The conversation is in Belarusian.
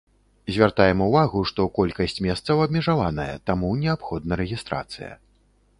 Звяртаем увагу, што колькасць месцаў абмежаваная, таму неабходна рэгістрацыя.